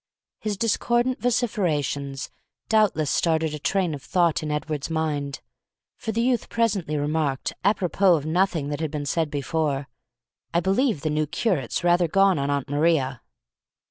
His discordant vociferations doubtless started a train of thought in Edward's mind, for the youth presently remarked, a propos of nothing that had been said before, "I believe the new curate's rather gone on Aunt Maria."